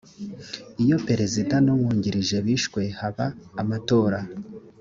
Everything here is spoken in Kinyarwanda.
iyo perezida n umwungirije bishwe haba amatora